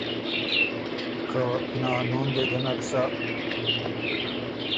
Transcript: که نانو ن دې ګۀ نک سَۀ“